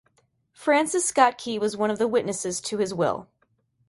Francis Scott Key was one of the witnesses to his will.